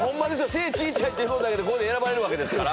背ちいちゃいっていうだけで選ばれるわけですから。